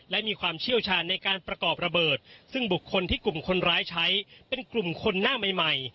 และมีความเชี่ยวชาญในการประกอบระเบิดซึ่งบุคคลที่กลุ่มคนร้ายใช้เป็นกลุ่มคนหน้าใหม่ใหม่